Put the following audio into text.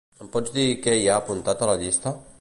Em pots dir què hi ha apuntat a la llista?